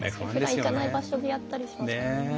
ふだん行かない場所でやったりしますもんね。